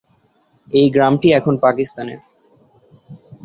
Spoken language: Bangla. এই গ্রামটি এখন পাকিস্তানে।